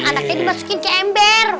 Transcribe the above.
anaknya dimasukin ke ember